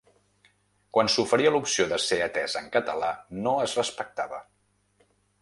Quan s’oferia l’opció de ser atès en català no es respectava.